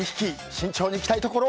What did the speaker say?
慎重に行きたいところ。